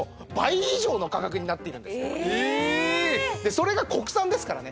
それが国産ですからね。